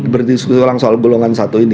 berdiskusi orang soal golongan satu ini